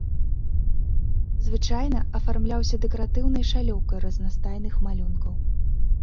Звычайна афармляўся дэкаратыўнай шалёўкай разнастайных малюнкаў.